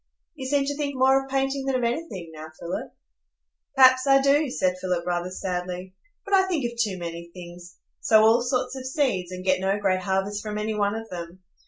"You seem to think more of painting than of anything now, Philip?" "Perhaps I do," said Philip, rather sadly; "but I think of too many things,—sow all sorts of seeds, and get no great harvest from any one of them.